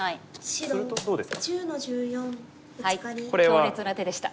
強烈な手でした。